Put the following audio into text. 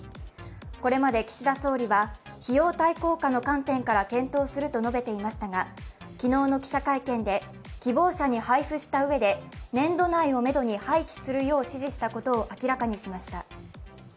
これまで岸田総理は費用対効果の観点から検討すると述べていましたが、昨日の記者会見で希望者に配布したうえで、年度内をめどに廃棄するよう指示したことを明らかにしました。